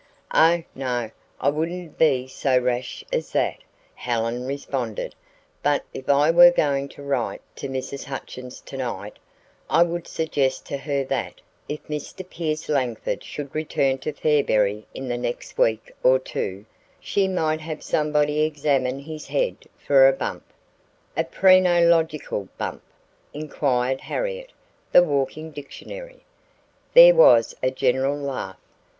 "Oh, no, I wouldn't be so rash as that," Helen responded; "but if I were going to write to Mrs. Hutchins tonight, I would suggest to her that, if Mr. Pierce Langford should return to Fairberry in the next week or two, she might have somebody examine his head for a bump." "A phrenological bump?" inquired Harriet, the "walking dictionary." There was a general laugh.